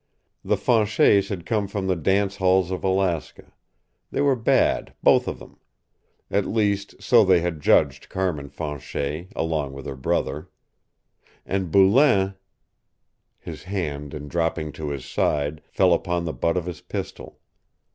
The Fanchets had come from the dance halls of Alaska. They were bad, both of them. At least, so they had judged Carmin Fanchet along with her brother. And Boulain His hand, in dropping to his side, fell upon the butt of his pistol.